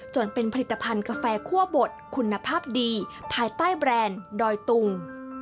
จนเป็นผลิตภัณฑ์กาแฟคั่วบดคุณภาพดีภายใต้แบรนด์ดอยตุง